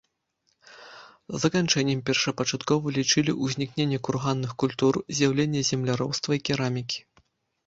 Заканчэннем першапачаткова лічылі ўзнікненне курганных культур, з'яўленне земляробства і керамікі.